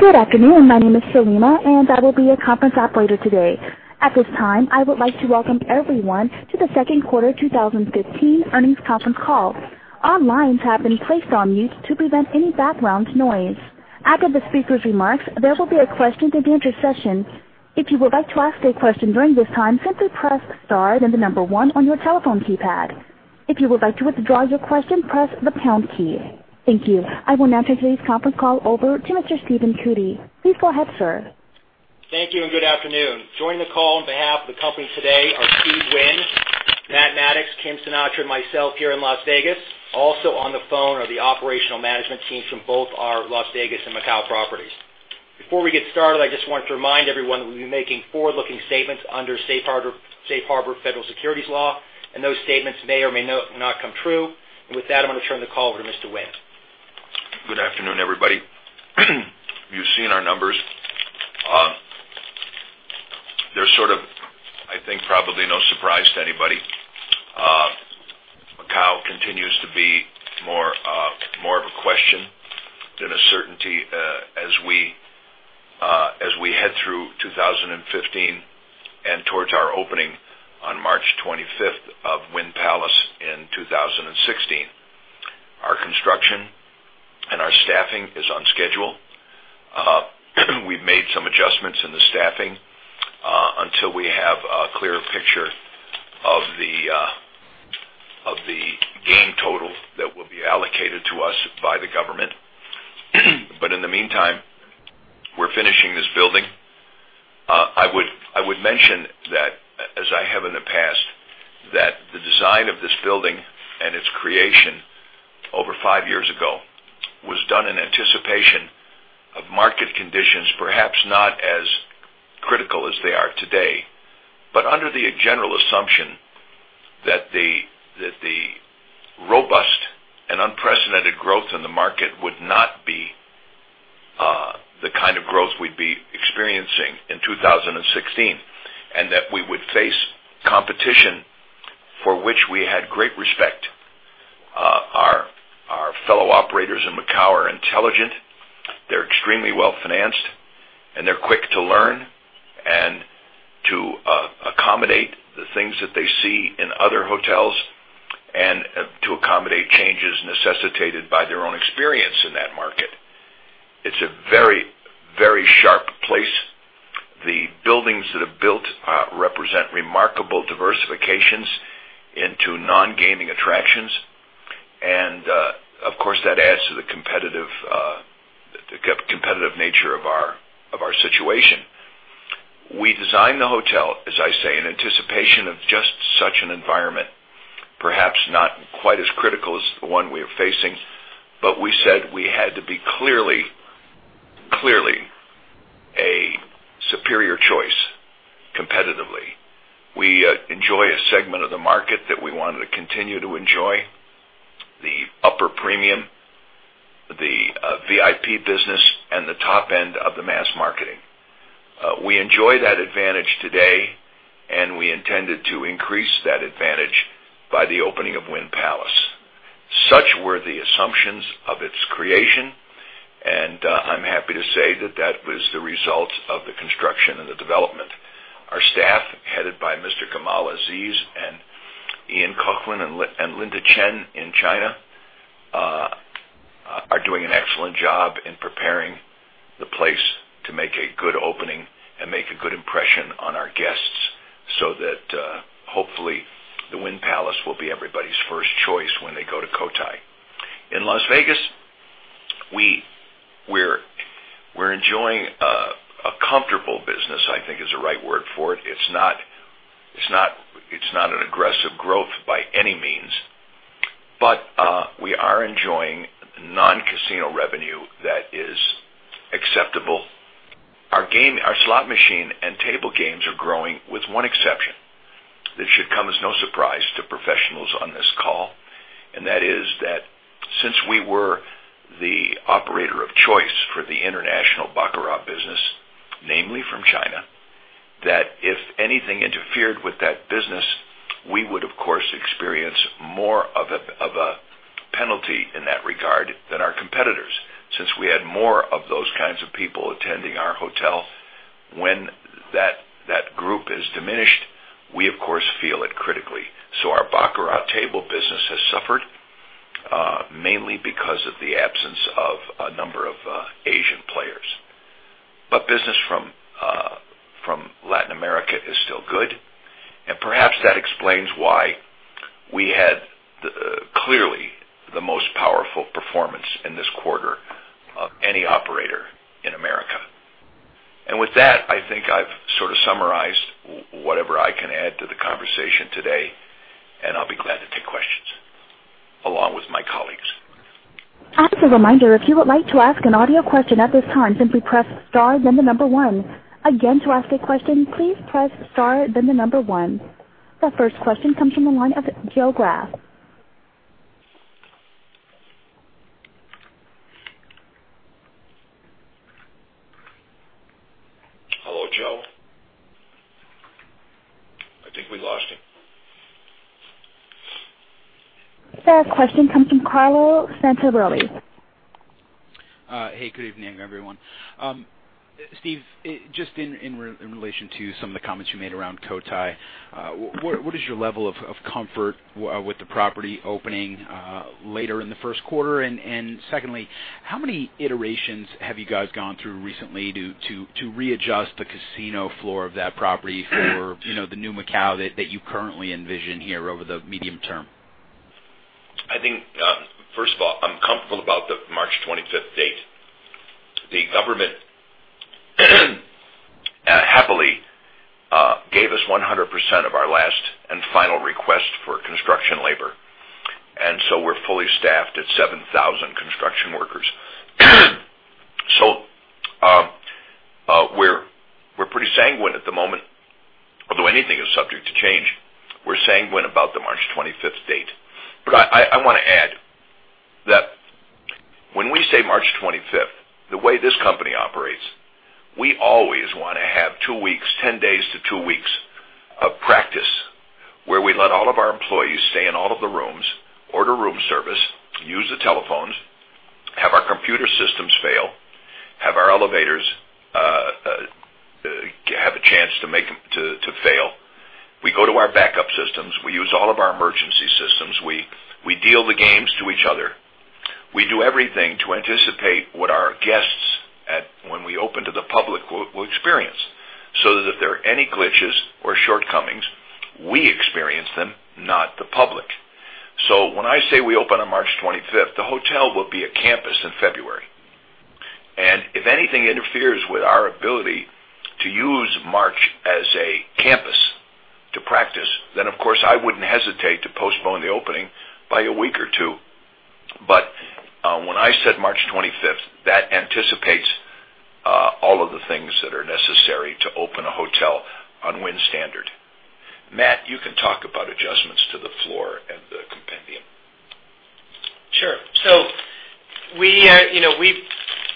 Good afternoon. My name is Salima. I will be your conference operator today. At this time, I would like to welcome everyone to the second quarter 2015 earnings conference call. All lines have been placed on mute to prevent any background noise. After the speaker's remarks, there will be a question-and-answer session. If you would like to ask a question during this time, simply press star, then one on your telephone keypad. If you would like to withdraw your question, press the pound key. Thank you. I will now turn today's conference call over to Mr. Stephen Cootey. Please go ahead, sir. Thank you and good afternoon. Joining the call on behalf of the company today are Steve Wynn, Matt Maddox, Kim Sinatra, and myself here in Las Vegas. Also on the phone are the operational management teams from both our Las Vegas and Macau properties. Before we get started, I just want to remind everyone that we'll be making forward-looking statements under safe harbor federal securities law, and those statements may or may not come true. And with that, I'm gonna turn the call over to Mr. Wynn. Good afternoon, everybody. You've seen our numbers. They're sort of, I think, probably no surprise to anybody. Macau continues to be more, more of a question than a certainty, as we, as we head through 2015 and towards our opening on March 25th of Wynn Palace in 2016. Our construction and our staffing is on schedule. We've made some adjustments in the staffing, until we have a clearer picture of the, of the game total that will be allocated to us by the government. In the meantime, we're finishing this building. I would mention that, as I have in the past, that the design of this building and its creation over five years ago was done in anticipation of market conditions, perhaps not as critical as they are today. Under the general assumption that the robust and unprecedented growth in the market would not be the kind of growth we'd be experiencing in 2016, and that we would face competition for which we had great respect. Our fellow operators in Macau are intelligent, they're extremely well-financed, and they're quick to learn and to accommodate the things that they see in other hotels and to accommodate changes necessitated by their own experience in that market. It's a very, very sharp place. The buildings that are built represent remarkable diversifications into non-gaming attractions. Of course, that adds to the competitive, the competitive nature of our situation. We designed the hotel, as I say, in anticipation of just such an environment, perhaps not quite as critical as the one we are facing, but we said we had to be clearly a superior choice competitively. We enjoy a segment of the market that we wanted to continue to enjoy, the upper premium, the VIP business, and the top end of the mass marketing. We enjoy that advantage today, and we intended to increase that advantage by the opening of Wynn Palace. Such were the assumptions of its creation, and I'm happy to say that was the result of the construction and the development. Our staff, headed by Mr. Gamal Aziz and Ian Coughlan and Linda Chen in China, are doing an excellent job in preparing the place to make a good opening and make a good impression on our guests so that, hopefully the Wynn Palace will be everybody's first choice when they go to Cotai. In Las Vegas, we're enjoying a comfortable business, I think is the right word for it. It's not an aggressive growth by any means, but we are enjoying non-casino revenue that is acceptable. Our slot machine and table games are growing with one exception that should come as no surprise to professionals on this call. That is that since we were the operator of choice for the international baccarat business, namely from China, that if anything interfered with that business, we would, of course, experience more of a penalty in that regard than our competitors. We had more of those kinds of people attending our hotel, when that group is diminished, we of course feel it critically. Our baccarat table business has suffered, mainly because of the absence of a number of Asian players. Business from Latin America is still good, and perhaps that explains why we had clearly the most powerful performance in this quarter of any operator in America. With that, I think I've sort of summarized whatever I can add to the conversation today, and I'll be glad to take questions along with my colleagues. As a reminder, if you would like to ask an audio question at this time, simply press star then the number one. Again, to ask a question, please press star then the number one. The first question comes from the line of Joe Greff. Hello, Joe. I think we lost him. The question comes from Carlo Santarelli. Hey, good evening, everyone. Steve, just in relation to some of the comments you made around Cotai, what is your level of comfort with the property opening later in the first quarter? Secondly, how many iterations have you guys gone through recently to readjust the casino floor of that property for, you know, the new Macau that you currently envision here over the medium term? I think, first of all, I'm comfortable about the March 25th date. The government happily gave us 100% of our last and final request for construction labor, we're fully staffed at 7,000 construction workers. We're pretty sanguine at the moment, although anything is subject to change. We're sanguine about the March 25th date. I wanna add that when we say March 25th, the way this company operates, we always wanna have two weeks, 10 days to two weeks of practice where we let all of our employees stay in all of the rooms, order room service, use the telephones, have our computer systems fail, have our elevators have a chance to make them to fail. We go to our backup systems. We use all of our emergency systems. We deal the games to each other. We do everything to anticipate what our guests when we open to the public, will experience, so that if there are any glitches or shortcomings, we experience them, not the public. When I say we open on March 25th, the hotel will be a campus in February. If anything interferes with our ability to use March as a campus to practice, of course, I wouldn't hesitate to postpone the opening by a week or two. When I said March 25th, that anticipates all of the things that are necessary to open a hotel on Wynn standard. Matt, you can talk about adjustments to the floor and the compendium. Sure. We, you know, we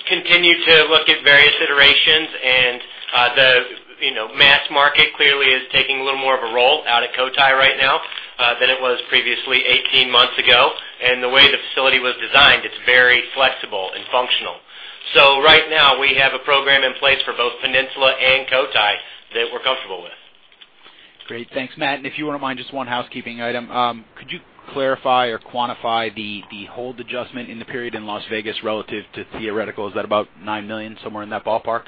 continue to look at various iterations and, the, you know, mass market clearly is taking a little more of a role out at Cotai right now than it was previously 18 months ago. The way the facility was designed, it's very flexible and functional. Right now we have a program in place for both Peninsula and Cotai that we're comfortable with. Great. Thanks, Matt. If you wouldn't mind, just one housekeeping item. Could you clarify or quantify the hold adjustment in the period in Las Vegas relative to theoretical? Is that about $9 million, somewhere in that ballpark?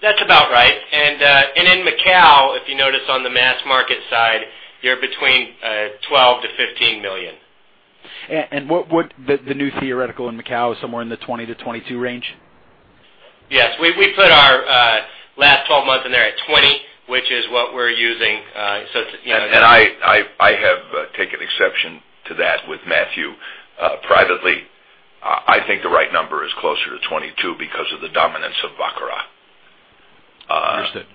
That's about right. In Macau, if you notice on the mass market side, you're between $12 million-$15 million. What would the new theoretical in Macau is somewhere in the 20%-22% range? Yes. We put our last 12 months in there at 20%, which is what we're using. I have taken exception to that with Matthew privately. I think the right number is closer to 22% because of the dominance of baccarat. Understood.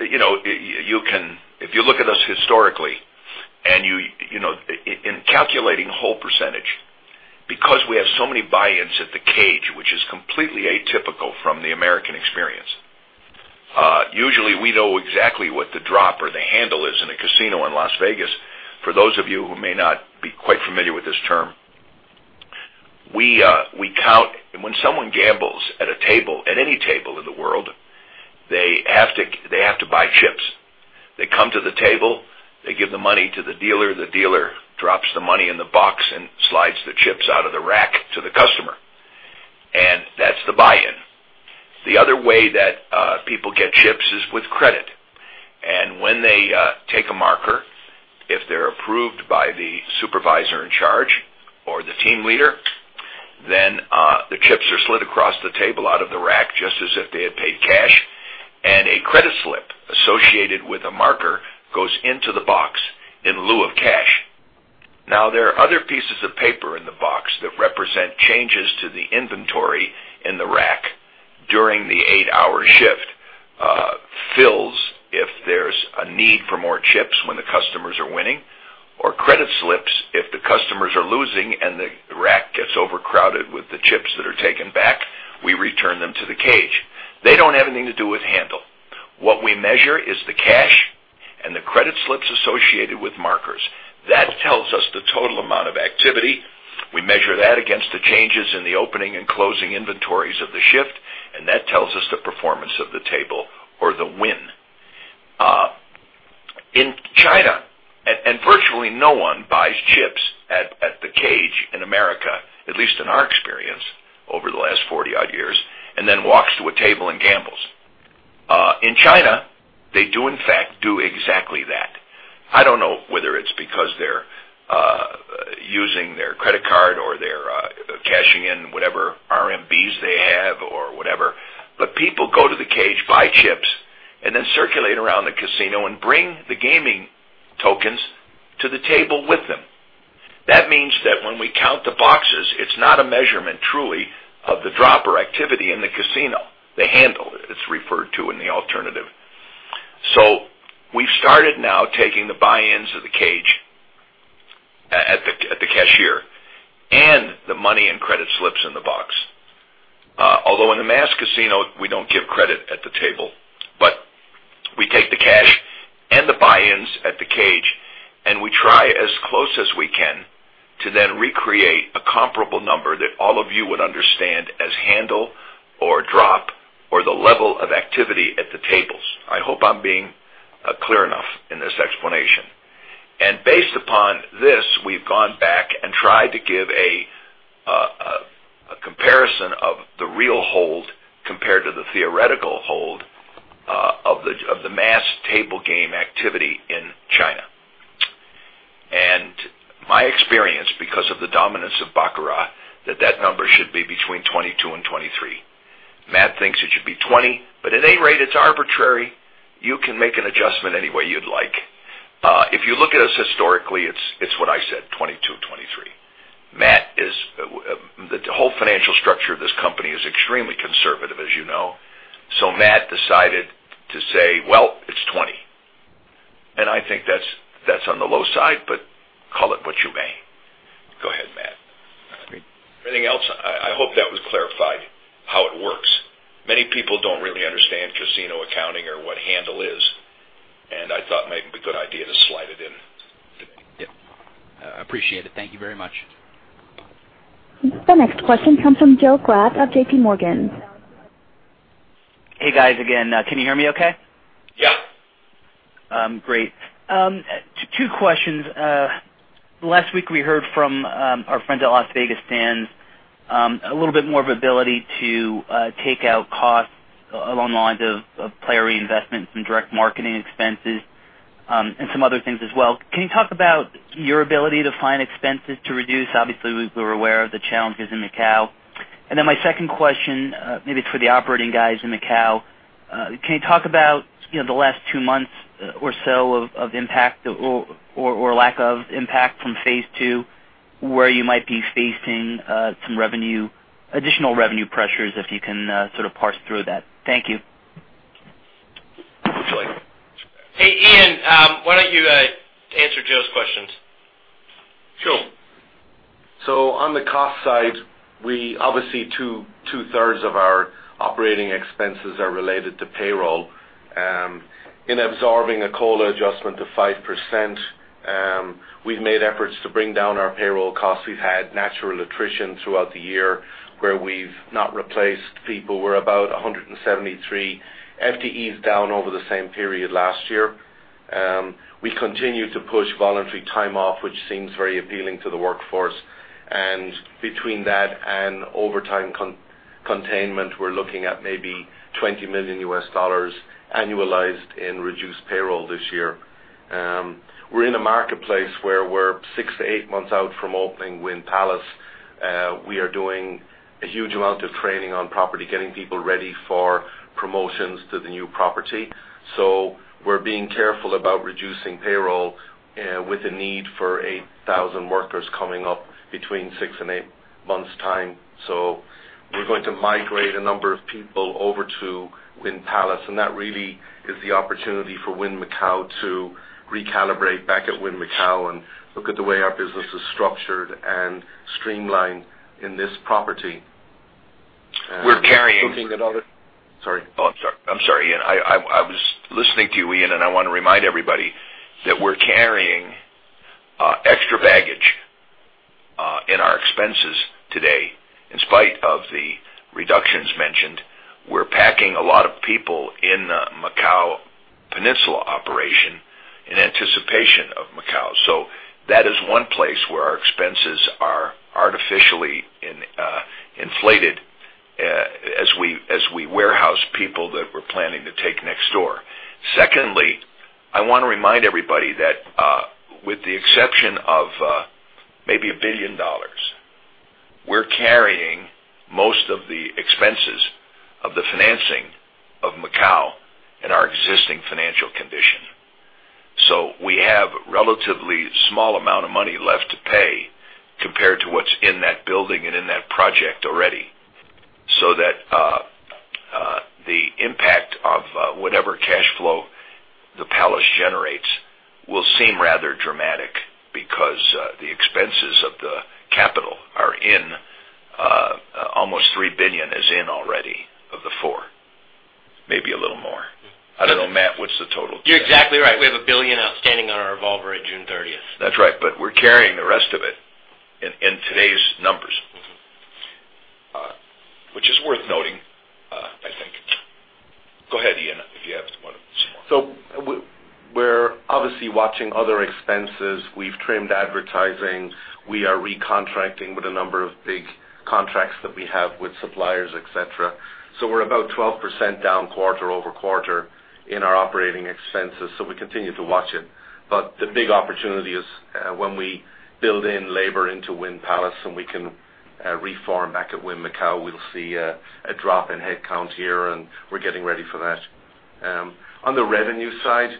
You know, if you look at us historically and you know, in calculating hold percentage, because we have so many buy-ins at the cage, which is completely atypical from the American experience, usually we know exactly what the drop or the handle is in a casino in Las Vegas. For those of you who may not be quite familiar with this term, we count. When someone gambles at a table, at any table in the world, they have to, they have to buy chips. They come to the table, they give the money to the dealer, the dealer drops the money in the box and slides the chips out of the rack to the customer. That's the buy-in. The other way that people get chips is with credit. When they take a marker, if they're approved by the supervisor in charge or the team leader, the chips are slid across the table out of the rack just as if they had paid cash, and a credit slip associated with a marker goes into the box in lieu of cash. Now, there are other pieces of paper in the box that represent changes to the inventory in the rack during the eight-hour shift, fills if there's a need for more chips when the customers are winning, or credit slips if the customers are losing and the rack gets overcrowded with the chips that are taken back, we return them to the cage. They don't have anything to do with handle. What we measure is the cash and the credit slips associated with markers. That tells us the total amount of activity. We measure that against the changes in the opening and closing inventories of the shift, and that tells us the performance of the table or the win. In China, virtually no one buys chips at the cage in America, at least in our experience over the last 40-odd years, and then walks to a table and gambles. In China, they do in fact, do exactly that. I don't know whether it's because they're using their credit card or they're cashing in whatever RMBs they have or whatever. People go to the cage, buy chips, and then circulate around the casino and bring the gaming tokens to the table with them. That means that when we count the boxes, it's not a measurement truly of the drop or activity in the casino, the handle it's referred to in the alternative. We've started now taking the buy-ins of the cage at the cashier and the money and credit slips in the box. Although in the mass casino, we don't give credit at the table, but we take the cash and the buy-ins at the cage, and we try as close as we can to then recreate a comparable number that all of you would understand as handle or drop or the level of activity at the tables. I hope I'm being clear enough in this explanation. Based upon this, we've gone back and tried to give a comparison of the real hold compared to the theoretical hold of the mass table game activity in China. My experience, because of the dominance of baccarat, that number should be between 22% and 23%. Matt thinks it should be 20%, but at any rate, it's arbitrary. You can make an adjustment any way you'd like. If you look at us historically, it's what I said, 22%, 23%. The whole financial structure of this company is extremely conservative, as you know. Matt decided to say, "Well, it's 20%." I think that's on the low side, but call it what you may. Go ahead, Matt. I think- Anything else? I hope that would clarify how it works. Many people don't really understand casino accounting or what handle is. I thought it might be a good idea to slide it in today. Yep. Appreciate it. Thank you very much. The next question comes from Joe Greff of JPMorgan. Hey, guys, again. Can you hear me okay? Yeah. Two questions. Last week we heard from our friends at Las Vegas Sands, a little bit more of ability to take out costs along the lines of player reinvestment and direct marketing expenses, and some other things as well. Can you talk about your ability to find expenses to reduce? Obviously, we're aware of the challenges in Macau. My second question, maybe it's for the operating guys in Macau. Can you talk about, you know, the last two months or so of impact or lack of impact from phase two, where you might be facing some revenue, additional revenue pressures, if you can sort of parse through that. Thank you. Absolutely. Hey, Ian, why don't you answer Joe's questions? Sure. On the cost side, we obviously two-thirds of our operating expenses are related to payroll. In absorbing a COLA adjustment to 5%, we've made efforts to bring down our payroll costs. We've had natural attrition throughout the year where we've not replaced people. We're about 173 FTEs down over the same period last year. We continue to push voluntary time off, which seems very appealing to the workforce. Between that and overtime containment, we're looking at maybe $20 million annualized in reduced payroll this year. We're in a marketplace where we're six to eight months out from opening Wynn Palace. We are doing a huge amount of training on property, getting people ready for promotions to the new property. We're being careful about reducing payroll, with a need for 8,000 workers coming up between six and eight months' time. We're going to migrate a number of people over to Wynn Palace, and that really is the opportunity for Wynn Macau to recalibrate back at Wynn Macau and look at the way our business is structured and streamlined in this property. We're carrying- Sorry. Oh, I'm sorry. I'm sorry, Ian. I was listening to you, Ian, and I wanna remind everybody that we're carrying extra baggage in our expenses today. In spite of the reductions mentioned, we're packing a lot of people in the Macau Peninsula operation in anticipation of Macau. That is one place where our expenses are artificially inflated as we warehouse people that we're planning to take next door. Secondly, I wanna remind everybody that with the exception of maybe $1 billion, we're carrying most of the expenses of the financing of Macau in our existing financial condition. We have relatively small amount of money left to pay compared to what's in that building and in that project already, so that the impact of whatever cash flow the Palace generates will seem rather dramatic because the expenses of the capital are in, almost $3 billion is in already of the $4 billion, maybe a little more. I don't know, Matt, what's the total? You're exactly right. We have $1 billion outstanding on our revolver at June 30th. That's right. We're carrying the rest of it in today's numbers. Which is worth noting, I think. Go ahead, Ian, if you have some more. We're obviously watching other expenses. We've trimmed advertising. We are recontracting with a number of big contracts that we have with suppliers, et cetera. We're about 12% down quarter-over-quarter in our operating expenses, so we continue to watch it. The big opportunity is when we build in labor into Wynn Palace and we can reform back at Wynn Macau, we'll see a drop in head count here, and we're getting ready for that. On the revenue side,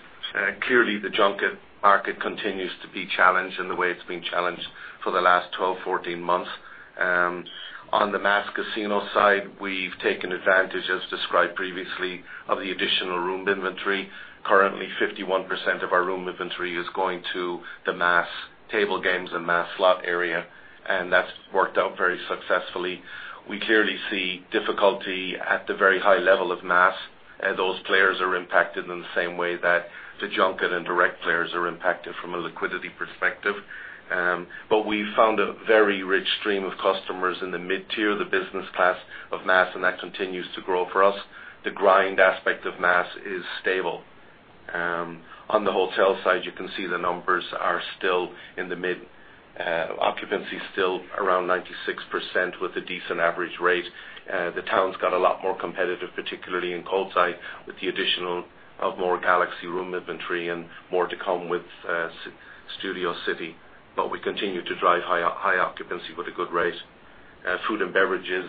clearly the junket market continues to be challenged in the way it's been challenged for the last 12, 14 months. On the mass casino side, we've taken advantage, as described previously, of the additional room inventory. Currently, 51% of our room inventory is going to the mass table games and mass slot area, and that's worked out very successfully. We clearly see difficulty at the very high level of mass. Those players are impacted in the same way that the junket and direct players are impacted from a liquidity perspective. We found a very rich stream of customers in the mid-tier, the business class of mass, and that continues to grow for us. The grind aspect of mass is stable. On the hotel side, you can see the numbers are still, occupancy is still around 96% with a decent average rate. The town's got a lot more competitive, particularly in Cotai, with the additional of more Galaxy room inventory and more to come with Studio City. We continue to drive high occupancy with a good rate. Food and beverages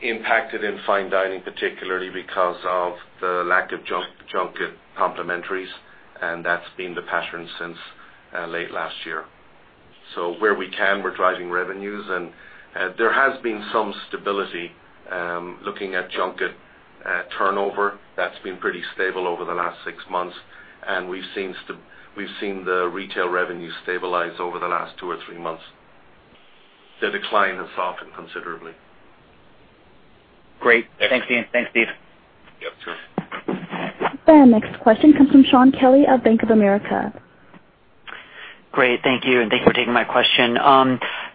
impacted in fine dining, particularly because of the lack of junket complementaries, and that's been the pattern since late last year. Where we can, we're driving revenues and there has been some stability looking at junket turnover. That's been pretty stable over the last six months, and we've seen the retail revenue stabilize over the last two or three months. The decline has softened considerably. Great. Thanks, Ian. Thanks, Steve. Yep. Sure. The next question comes from Shaun Kelley of Bank of America. Great. Thank you, and thanks for taking my question.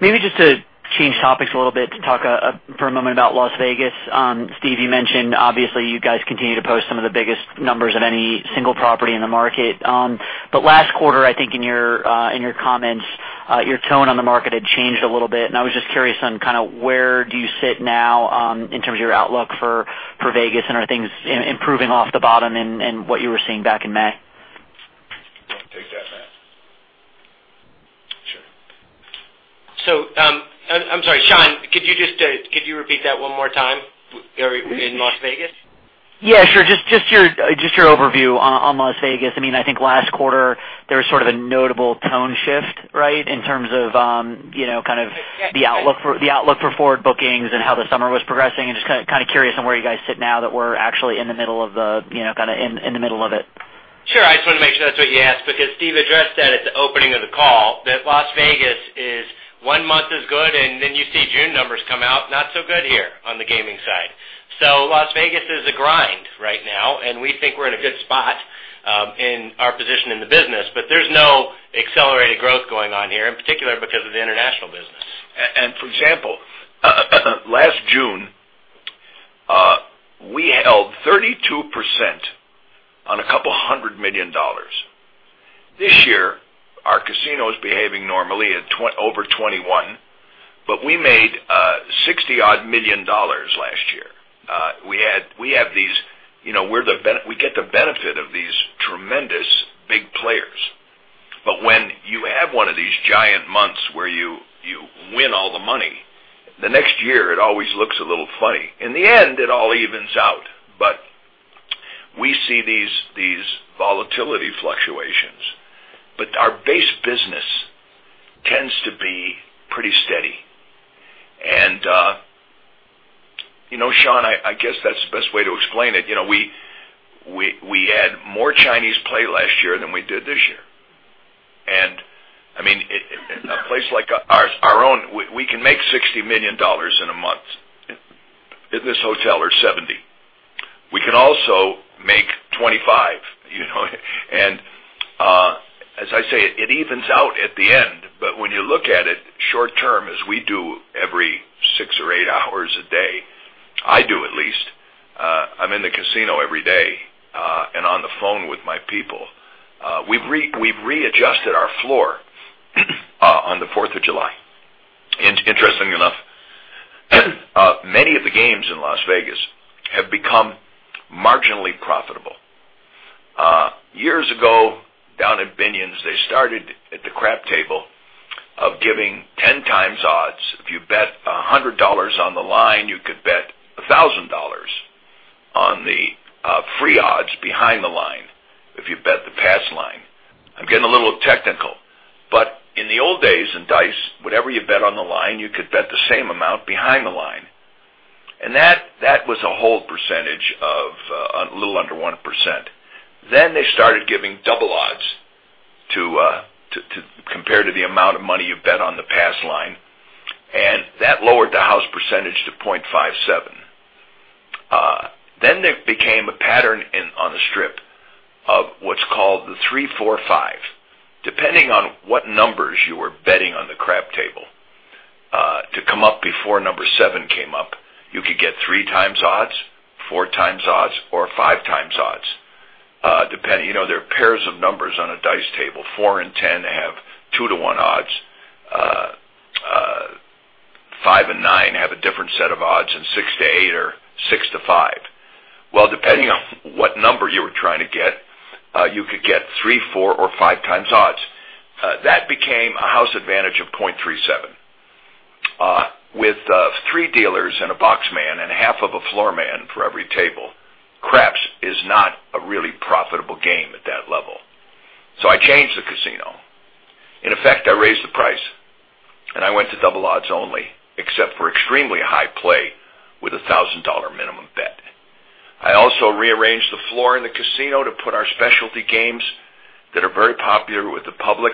Maybe just to change topics a little bit to talk for a moment about Las Vegas. Steve, you mentioned obviously you guys continue to post some of the biggest numbers of any single property in the market. Last quarter, I think in your comments, your tone on the market had changed a little bit, and I was just curious on kind of where do you sit now, in terms of your outlook for Vegas, and are things improving off the bottom and what you were seeing back in May? Take that, Matt. Sure. I'm sorry, Shaun Kelley, could you just repeat that one more time? With In Las Vegas? Yeah, sure. Just your overview on Las Vegas. I mean, I think last quarter there was sort of a notable tone shift, right? In terms of, you know, kind of the outlook for forward bookings and how the summer was progressing. Just kinda curious on where you guys sit now that we're actually in the middle of the, you know, kinda in the middle of it. Sure. I just want to make sure that's what you asked, because Steve addressed that at the opening of the call that Las Vegas is one month is good, and then you see June numbers come out not so good here on the gaming side. Las Vegas is a grind right now, and we think we're in a good spot in our position in the business, but there's no accelerated growth going on here, in particular because of the international business. For example, last June, we held 32% on $200 million. This year, our casino is behaving normally at over 21%, but we made $60 million last year. We have these, you know, we get the benefit of these tremendous, big players. When you have one of these giant months where you win all the money, the next year it always looks a little funny. In the end, it all evens out, but we see these volatility fluctuations. Our base business tends to be pretty steady. You know, Shaun, I guess that's the best way to explain it. You know, we had more Chinese play last year than we did this year. I mean, a place like ours, our own, we can make $60 million in a month in this hotel or $70. We can also make $25, you know? As I say, it evens out at the end. When you look at it short-term as we do every six or eight hours a day, I do at least, I'm in the casino every day, and on the phone with my people. We've readjusted our floor on the 4th of July. Interestingly enough, many of the games in Las Vegas have become marginally profitable. Years ago, down at Binion's, they started at the crap table of giving 10x odds. If you bet $100 on the line, you could bet $1,000 on the free odds behind the line if you bet the pass line. I'm getting a little technical. In the old days, in dice, whatever you bet on the line, you could bet the same amount behind the line. That was a whole percentage of a little under 1%. They started giving double odds compared to the amount of money you bet on the pass line, that lowered the house percentage to 0.57%. They became a pattern on the Strip of what's called the 3x-4x-5x. Depending on what numbers you were betting on the crap table to come up before number seven came up, you could get 3x odds, 4x odds, or 5x odds. you know, there are pairs of numbers on a dice table. Four and 10 have two to one odds. Five and nine have a different set of odds, and six to eight are six to five. Well, depending on what number you were trying to get, you could get three, four, or 5x odds. That became a house advantage of 0.37%. With three dealers and a boxman and a half of a floorman for every table, craps is not a really profitable game at that level. I changed the casino. In effect, I raised the price, and I went to double odds only, except for extremely high play with a $1,000 minimum bet. I also rearranged the floor in the casino to put our specialty games that are very popular with the public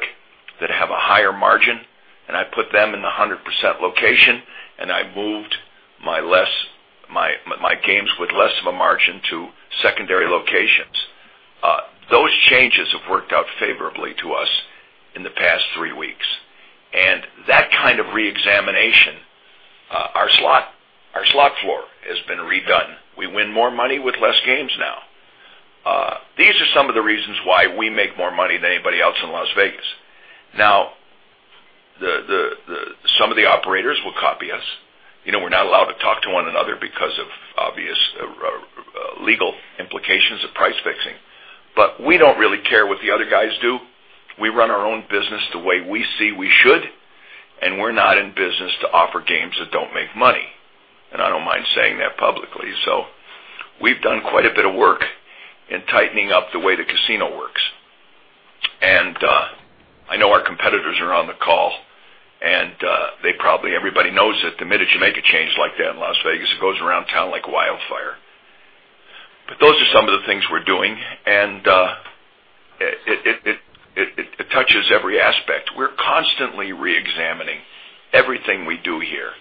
that have a higher margin, and I put them in the 100% location, and I moved my games with less of a margin to secondary locations. Those changes have worked out favorably to us in the past three weeks. That kind of reexamination, our slot floor has been redone. We win more money with less games now. These are some of the reasons why we make more money than anybody else in Las Vegas. Some of the operators will copy us. You know, we're not allowed to talk to one another because of obvious legal implications of price fixing. We don't really care what the other guys do. We run our own business the way we see we should. We're not in business to offer games that don't make money. I don't mind saying that publicly. We've done quite a bit of work in tightening up the way the casino works. I know our competitors are on the call. Everybody knows that the minute you make a change like that in Las Vegas, it goes around town like wildfire. Those are some of the things we're doing. It touches every aspect. We're constantly reexamining everything we do here.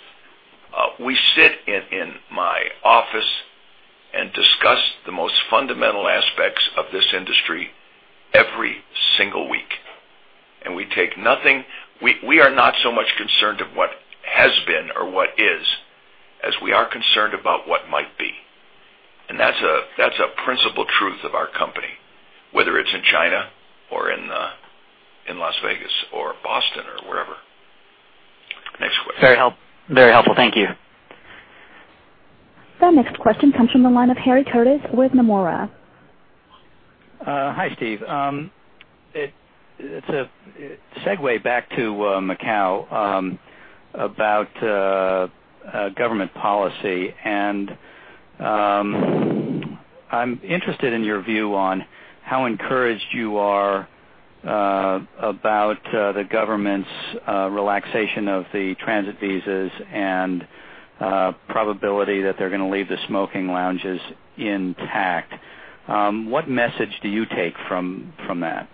We sit in my office and discuss the most fundamental aspects of this industry every single week. We are not so much concerned of what has been or what is, as we are concerned about what might be. That's a principle truth of our company, whether it's in China or in Las Vegas or Boston or wherever. Next question. Very helpful. Thank you. The next question comes from the line of Harry Curtis with Nomura. Hi, Steve. It's a segue back to Macau about government policy. I'm interested in your view on how encouraged you are about the government's relaxation of the transit visas and probability that they're gonna leave the smoking lounges intact. What message do you take from that?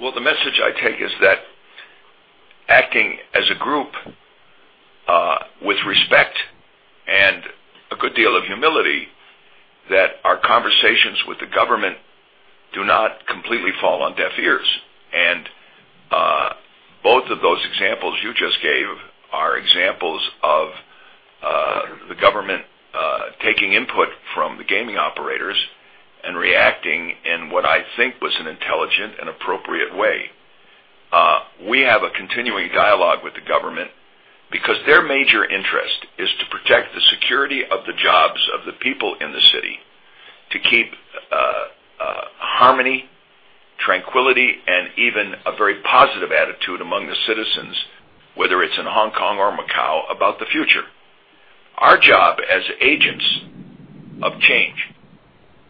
Well, the message I take is that acting as a group, with respect and a good deal of humility, that our conversations with the government do not completely fall on deaf ears. Both of those examples you just gave are examples of the government taking input from the gaming operators and reacting in what I think was an intelligent and appropriate way. We have a continuing dialogue with the government because their major interest is to protect the security of the jobs of the people in the city, to keep harmony, tranquility, and even a very positive attitude among the citizens, whether it's in Hong Kong or Macau, about the future. Our job as agents of change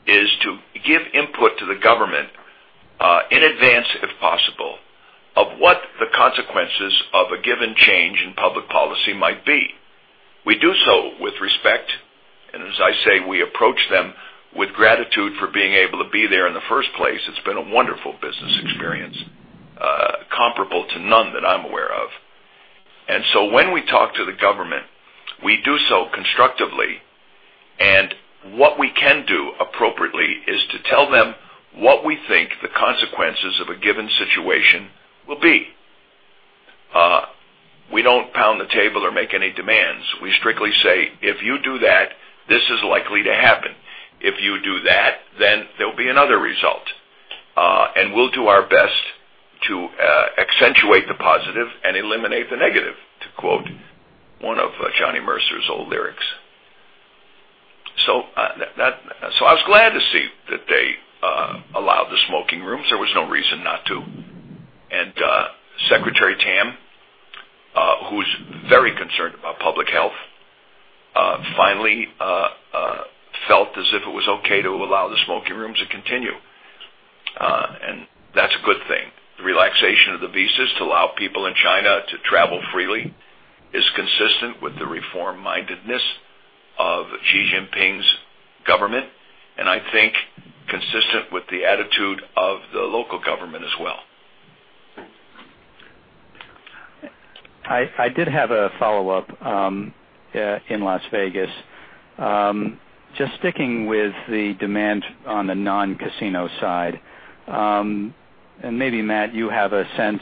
is to give input to the government in advance, if possible, of what the consequences of a given change in public policy might be. We do so with respect, as I say, we approach them with gratitude for being able to be there in the first place. It's been a wonderful business experience, comparable to none that I'm aware of. When we talk to the government, we do so constructively, what we can do appropriately is to tell them what we think the consequences of a given situation will be. We don't pound the table or make any demands. We strictly say, "If you do that, this is likely to happen. If you do that, there'll be another result." We'll do our best to accentuate the positive and eliminate the negative, to quote one of Johnny Mercer's old lyrics. I was glad to see that they allowed the smoking rooms. There was no reason not to. Secretary Tam, who's very concerned about public health, finally felt as if it was okay to allow the smoking rooms to continue. That's a good thing. The relaxation of the visas to allow people in China to travel freely is consistent with the reform-mindedness of Xi Jinping's government, and I think consistent with the attitude of the local government as well. I did have a follow-up in Las Vegas. Just sticking with the demand on the non-casino side. Maybe, Matt, you have a sense,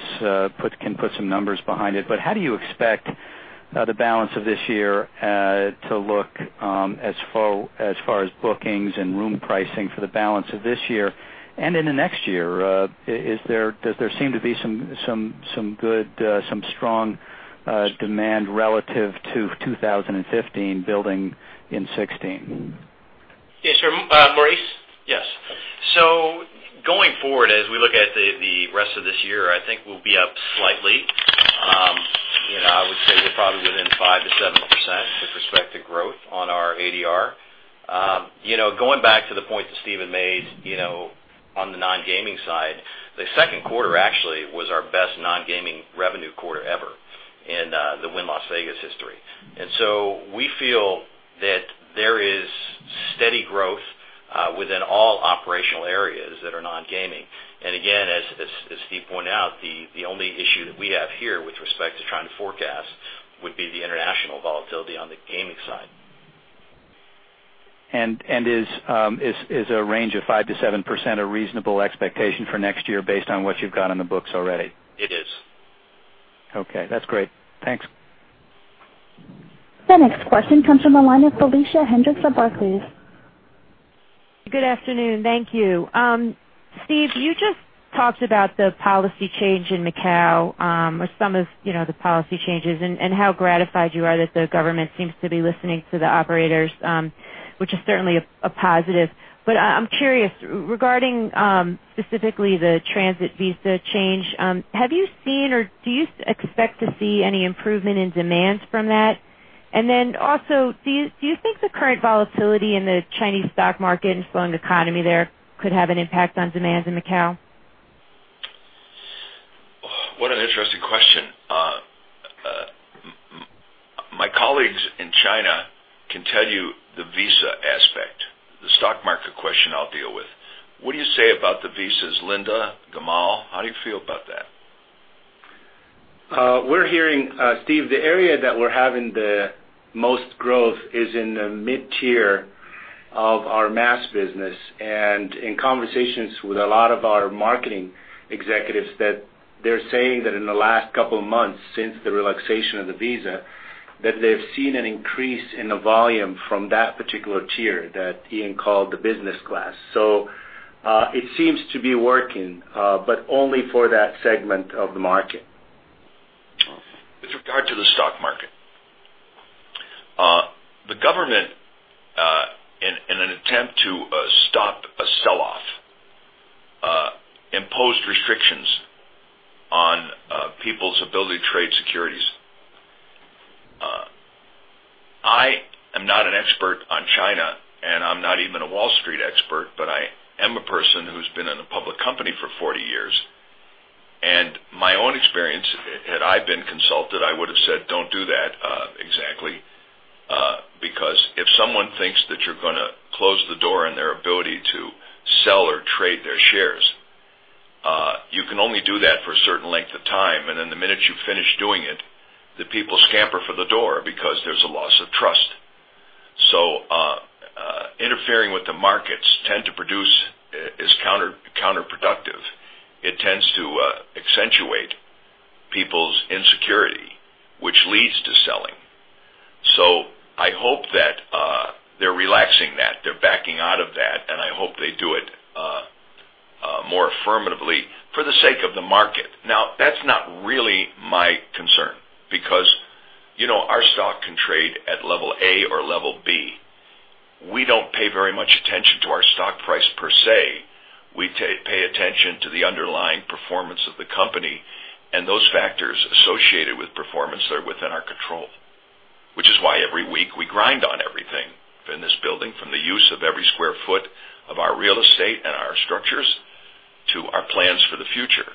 can put some numbers behind it. How do you expect the balance of this year to look as far as bookings and room pricing for the balance of this year and in the next year? Does there seem to be some good, some strong demand relative to 2015 building in 2016? Yes, sir. Maurice? Yes. Going forward, as we look at the rest of this year, I think we'll be up slightly. You know, I would say we're probably within 5%-7% with respect to growth on our ADR. You know, going back to the point that Steve Wynn made, you know, on the non-gaming side, the second quarter actually was our best non-gaming revenue quarter ever in the Wynn Las Vegas history. We feel that there is steady growth within all operational areas. That are non-gaming. Again, as Steve pointed out, the only issue that we have here with respect to trying to forecast would be the international volatility on the gaming side. Is a range of 5%-7% a reasonable expectation for next year based on what you've got on the books already? It is. Okay, that's great. Thanks. The next question comes from the line of Felicia Hendrix of Barclays. Good afternoon. Thank you. Steve, you just talked about the policy change in Macau, or some of, you know, the policy changes and how gratified you are that the government seems to be listening to the operators, which is certainly a positive. I'm curious, regarding specifically the transit visa change, have you seen or do you expect to see any improvement in demands from that? Also, do you think the current volatility in the Chinese stock market and slowing economy there could have an impact on demands in Macau? What an interesting question. My colleagues in China can tell you the visa aspect. The stock market question I'll deal with. What do you say about the visas? Linda, Gamal, how do you feel about that? We're hearing, Steve, the area that we're having the most growth is in the mid-tier of our mass business. In conversations with a lot of our marketing executives that they're saying that in the last couple of months since the relaxation of the visa, that they've seen an increase in the volume from that particular tier that Ian called the business class. It seems to be working, but only for that segment of the market. With regard to the stock market, the government, in an attempt to, stop a sell-off, imposed restrictions on, people's ability to trade securities. I am not an expert on China, and I am not even a Wall Street expert, but I am a person who has been in a public company for 40 years. My own experience, had I been consulted, I would have said, "Don't do that," exactly. If someone thinks that you are going to close the door on their ability to sell or trade their shares, you can only do that for a certain length of time, and then the minute you finish doing it, the people scamper for the door because there is a loss of trust. Interfering with the markets tend to produce, is counterproductive. It tends to accentuate people's insecurity, which leads to selling. I hope that they're relaxing that, they're backing out of that, and I hope they do it more affirmatively for the sake of the market. That's not really my concern because, you know, our stock can trade at level A or level B. We don't pay very much attention to our stock price per se. We pay attention to the underlying performance of the company and those factors associated with performance that are within our control. Which is why every week we grind on everything in this building, from the use of every square foot of our real estate and our structures to our plans for the future.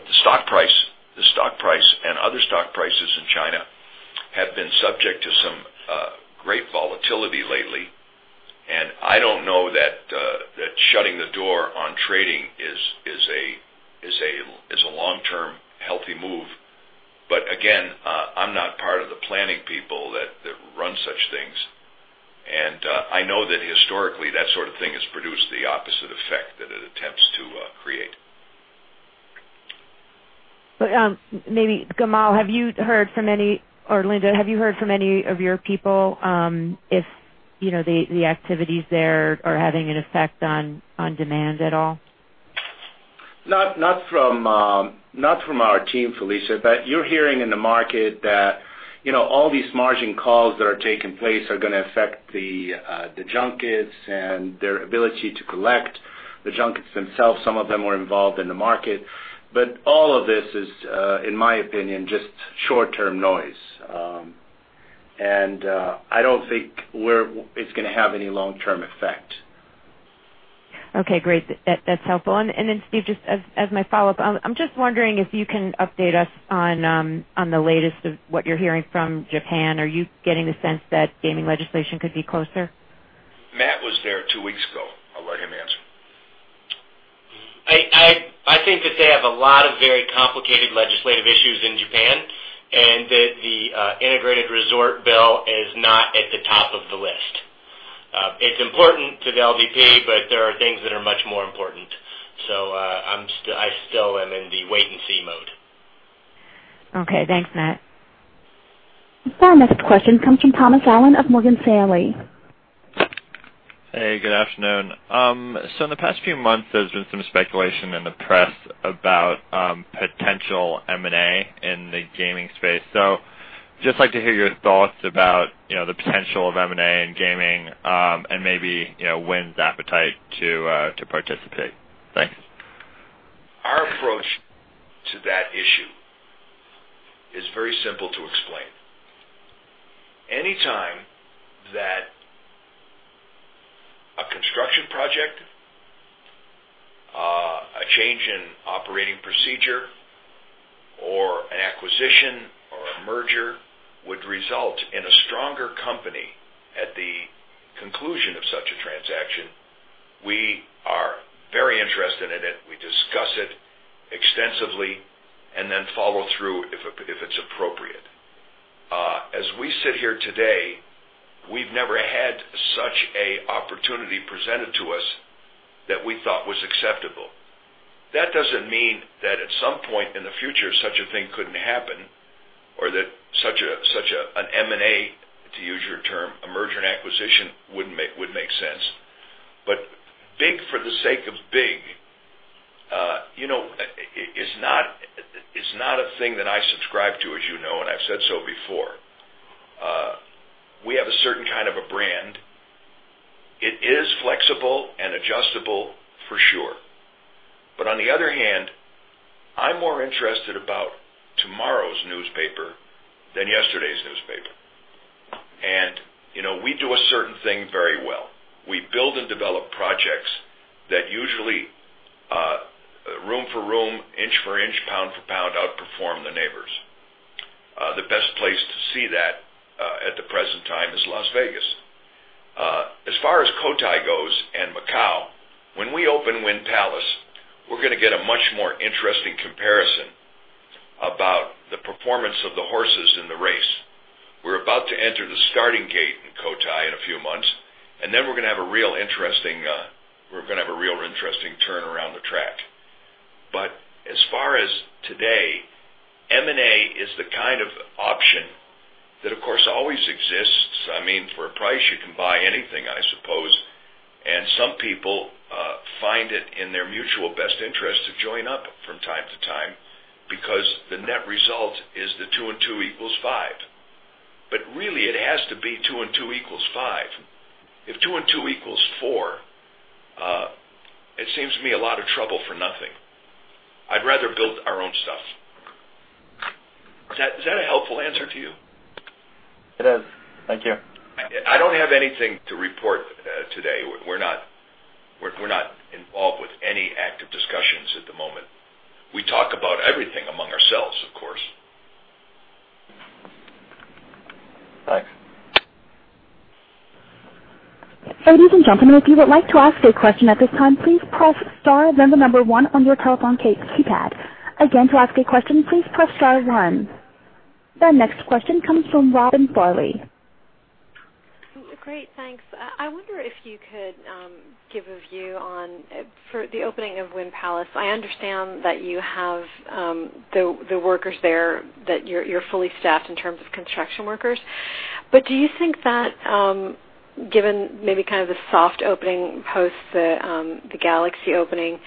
The stock price, the stock price and other stock prices in China have been subject to some great volatility lately. I don't know that shutting the door on trading is a long-term healthy move. Again, I'm not part of the planning people that run such things. I know that historically, that sort of thing has produced the opposite effect that it attempts to, create. Maybe Gamal, have you heard from or Linda, have you heard from any of your people, if, you know, the activities there are having an effect on demand at all? Not from our team, Felicia. You're hearing in the market that, you know, all these margin calls that are taking place are gonna affect the junkets and their ability to collect. The junkets themselves, some of them were involved in the market. All of this is, in my opinion, just short-term noise. I don't think it's gonna have any long-term effect. Okay, great. That's helpful. Steve, just as my follow-up, I'm just wondering if you can update us on the latest of what you're hearing from Japan. Are you getting the sense that gaming legislation could be closer? Matt was there two weeks ago. I'll let him answer. I think that they have a lot of very complicated legislative issues in Japan, and that the Integrated Resort Bill is not at the top of the list. It's important to the LDP, but there are things that are much more important. I still am in the wait and see mode. Okay. Thanks, Matt. Our next question comes from Thomas Allen of Morgan Stanley. Hey, good afternoon. In the past few months, there's been some speculation in the press about potential M&A in the gaming space. Just like to hear your thoughts about, you know, the potential of M&A in gaming, and maybe, you know, Wynn's appetite to participate. Thanks. Our approach to that issue is very simple to explain. Anytime that a construction project, a change in operating procedure or an acquisition or a merger would result in a stronger company at the conclusion of such a transaction, we are very interested in it. We discuss it extensively and then follow through if it's appropriate. As we sit here today, we've never had such an opportunity presented to us that we thought was acceptable. That doesn't mean that at some point in the future such a thing couldn't happen or that such an M&A, to use your term, a merger and acquisition would make sense. Big, for the sake of big, you know, is not a thing that I subscribe to, as you know, and I've said so before. We have a certain kind of a brand. It is flexible and adjustable for sure. On the other hand, I'm more interested about tomorrow's newspaper than yesterday's newspaper. You know, we do a certain thing very well. We build and develop projects that usually, room for room, inch for inch, pound for pound, outperform the neighbors. The best place to see that, at the present time is Las Vegas. As far as Cotai goes and Macau, when we open Wynn Palace, we're gonna get a much more interesting comparison about the performance of the horses in the race. We're about to enter the starting gate in Cotai in a few months, and then we're gonna have a real interesting turn around the track. As far as today, M&A is the kind of option that, of course, always exists. I mean, for a price, you can buy anything, I suppose. Some people find it in their mutual best interest to join up from time to time because the net result is the two and two equals five. Really it has to be two and two equals five. If two and two equals four, it seems to me a lot of trouble for nothing. I'd rather build our own stuff. Is that a helpful answer to you? It is. Thank you. I don't have anything to report today. We're not involved with any active discussions at the moment. We talk about everything among ourselves, of course. Thanks. Ladies and gentlemen, if you would like to ask a question at this time, please press star then one on your telephone keypad. Again, to ask a question, please press star one. The next question comes from Robin Farley. Great, thanks. I wonder if you could give a view on for the opening of Wynn Palace. I understand that you have the workers there, that you're fully staffed in terms of construction workers. Do you think that, given maybe kind of the soft opening post the Galaxy opening,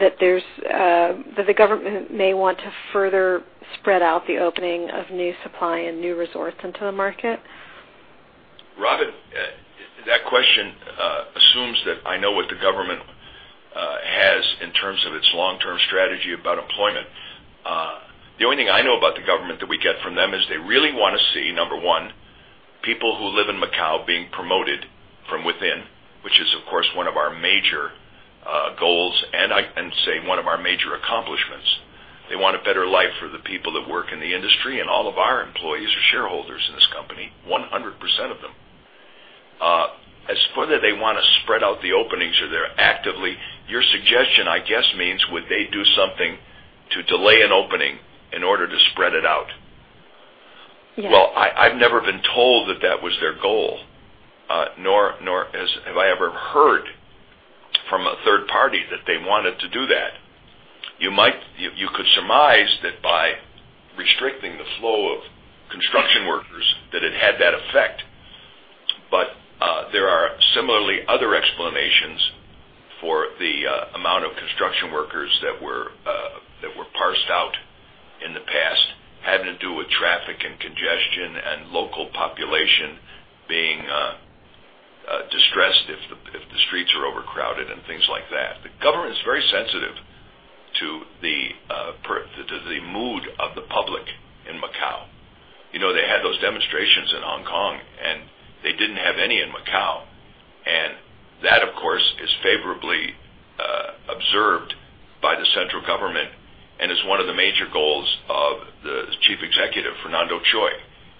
that there's that the government may want to further spread out the opening of new supply and new resorts into the market? Robin, that question assumes that I know what the government has in terms of its long-term strategy about employment. The only thing I know about the government that we get from them is they really wanna see, number one, people who live in Macau being promoted from within, which is, of course, one of our major goals and I, and say one of our major accomplishments. They want a better life for the people that work in the industry, and all of our employees are shareholders in this company, 100% of them. As further they wanna spread out the openings or they're actively, your suggestion, I guess, means would they do something to delay an opening in order to spread it out? Yes. Well, I've never been told that that was their goal, nor have I ever heard from a third party that they wanted to do that. You could surmise that by restricting the flow of construction workers that it had that effect. There are similarly other explanations for the amount of construction workers that were parsed out in the past, having to do with traffic and congestion and local population being distressed if the streets are overcrowded and things like that. The government is very sensitive to the mood of the public in Macau. You know, they had those demonstrations in Hong Kong, and they didn't have any in Macau. That, of course, is favorably observed by the central government and is one of the major goals of the Chief Executive, Fernando Chui.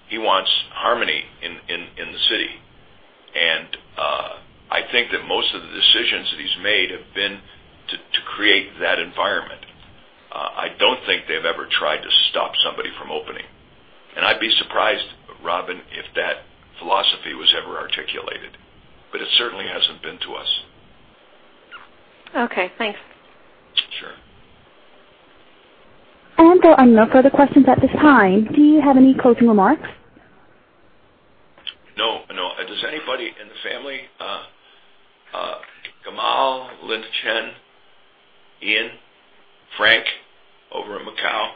He wants harmony in the city. I think that most of the decisions that he's made have been to create that environment. I don't think they've ever tried to stop somebody from opening. I'd be surprised, Robin, if that philosophy was ever articulated, but it certainly hasn't been to us. Okay, thanks. Sure. There are no further questions at this time. Do you have any closing remarks? No, no. Does anybody in the family, Gamal, Linda Chen, Ian, Frank over in Macau?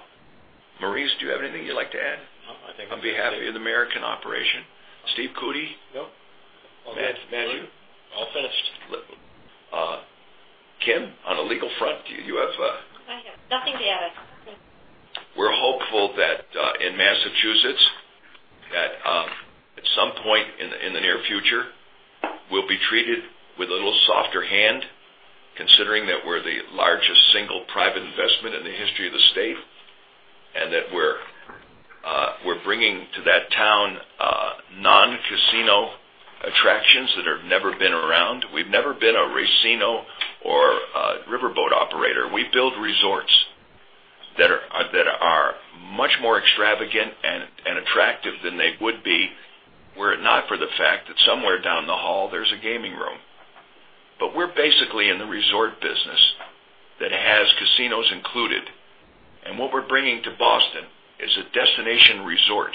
Maurice, do you have anything you'd like to add? No, I think- On behalf of the American operation? Stephen Cootey? Nope. Matt, Matthew? All finished. Kim, on the legal front, do you have. I have nothing to add. We're hopeful that in Massachusetts, that at some point in the near future, we'll be treated with a little softer hand, considering that we're the largest single private investment in the history of the state, and that we're bringing to that town non-casino attractions that have never been around. We've never been a racino or a riverboat operator. We build resorts that are much more extravagant and attractive than they would be were it not for the fact that somewhere down the hall there's a gaming room. We're basically in the resort business that has casinos included. What we're bringing to Boston is a destination resort.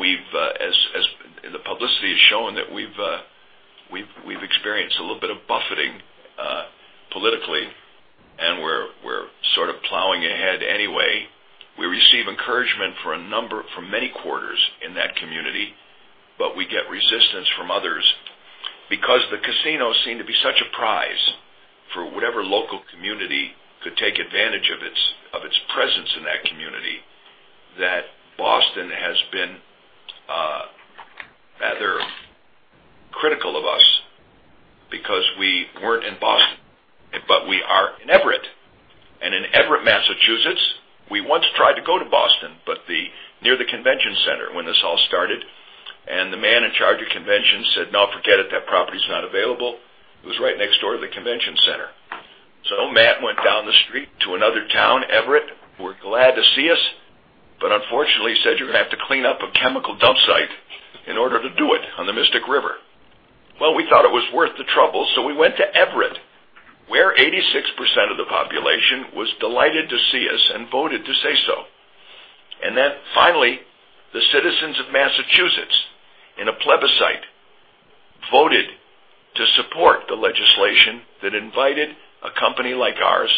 We've as the publicity has shown, that we've experienced a little bit of buffeting politically, and we're sort of plowing ahead anyway. We receive encouragement from many quarters in that community, but we get resistance from others because the casinos seem to be such a prize for whatever local community could take advantage of its presence in that community, that Boston has been rather critical of us because we weren't in Boston, but we are in Everett. In Everett, Massachusetts, we once tried to go to Boston, near the Convention Center when this all started, and the man in charge of convention said, "No, forget it. That property is not available." It was right next door to the Convention Center. Matt went down the street to another town, Everett, who were glad to see us, but unfortunately said, "You're gonna have to clean up a chemical dump site in order to do it on the Mystic River." We thought it was worth the trouble, so we went to Everett, where 86% of the population was delighted to see us and voted to say so. Then finally, the citizens of Massachusetts, in a plebiscite, voted to support the legislation that invited a company like ours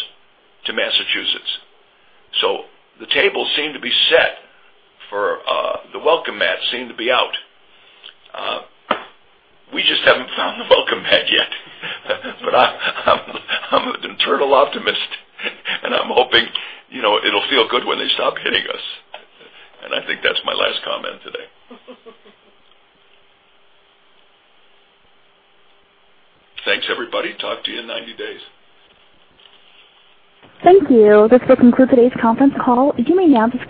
to Massachusetts. The table seemed to be set for, the welcome mat seemed to be out. We just haven't found the welcome mat yet. I'm an eternal optimist, and I'm hoping, you know, it'll feel good when they stop hitting us. I think that's my last comment today. Thanks, everybody. Talk to you in 90 days. Thank you. This will conclude today's conference call. You may now disconnect.